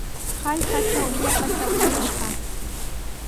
Hallqatraw illapata wiyash kaa.